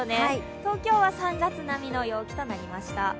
東京は３月並みの陽気となりました